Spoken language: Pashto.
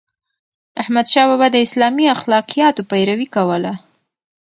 احمدشاه بابا د اسلامي اخلاقياتو پیروي کوله.